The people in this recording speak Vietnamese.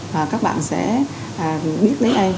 và các bạn sẽ biết lấy em